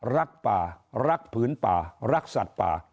รักป่ารักผืนป่ารักสัตว์ป่า